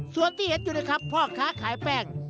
ส่วนที่เห็นอยู่นะครับพ่อค้าขายแป้ง